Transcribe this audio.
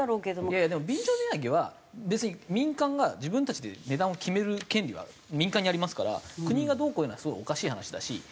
いやでも便乗値上げは別に民間が自分たちで値段を決める権利は民間にありますから国がどうこう言うのはすごいおかしい話だし。